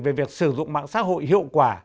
về việc sử dụng mạng xã hội hiệu quả